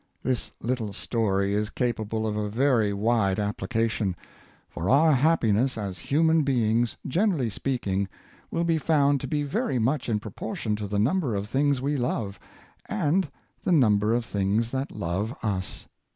This little story is capable of a very wide application; for our happiness as human be ings, generally speaking, will be found to be very much in proportion to the number of things we love, and the number of things that love us.